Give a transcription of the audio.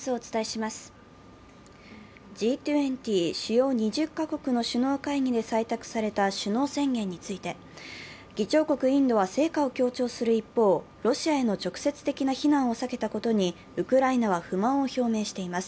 Ｇ２０＝主要２０か国の首脳会議で採択された首脳宣言について議長国インドは成果を強調する一方、ロシアへの直接的な非難を避けたことにウクライナは不満を表明しています